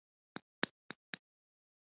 هغوی په یو تکنه ځنګل کې اوسیده.